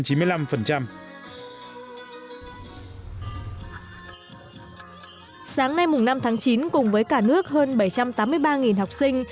sáng nay năm tháng chín cùng với cả nước hơn bảy trăm tám mươi ba học sinh